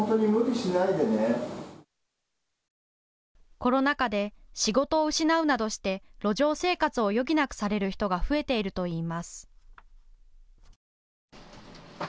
コロナ禍で仕事を失うなどして路上生活を余儀なくされる人が増えているといいます。